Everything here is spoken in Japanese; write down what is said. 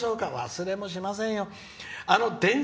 忘れもしませんよ。